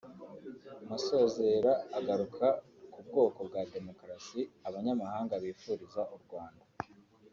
Masozera agaruka ku bwoko bwa demokarasi abanyamahanga bifuriza u Rwanda